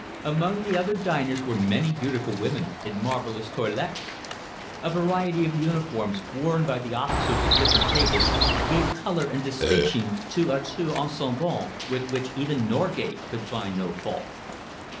Among the other diners were many beautiful women in marvellous toilettes. A variety of uniforms, worn by the officers at different tables, gave colour and distinction to a tout ensemble with which even Norgate could find no fault.